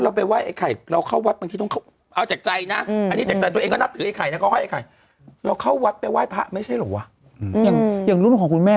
ก็ให้ไอ้ไข่เราเข้าวัดไปไหว้พระไม่ใช่หรอกว่าอืมอย่างอย่างรุ่นของคุณแม่